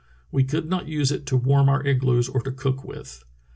We could not use it to warm our igloos or to cook with.